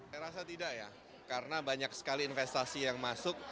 saya rasa tidak ya karena banyak sekali investasi yang masuk